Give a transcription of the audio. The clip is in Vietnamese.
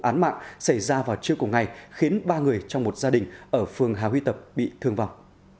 án mạng xảy ra vào trưa cùng ngày khiến ba người trong một gia đình ở phường hà huy tập bị thương vọng